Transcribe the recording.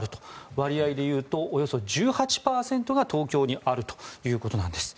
割合でいうと、およそ１８％が東京にあるということなんです。